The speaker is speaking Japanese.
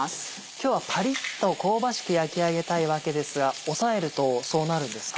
今日はパリっと香ばしく焼き上げたいわけですが押さえるとそうなるんですか？